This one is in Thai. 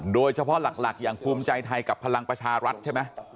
โดยเฉพาะหลักอย่างภูมิใจไทยกับพลังประชารัฐใช่ไหม